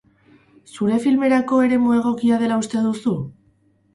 Zure filmerako eremu egokia dela uste duzu?